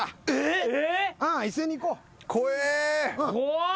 怖っ！